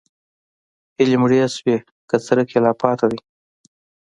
هیلې مړې شوي که څرک یې لا پاتې دی؟